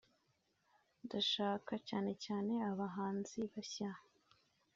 ndashaka cyane cyane aba bahanzi bashya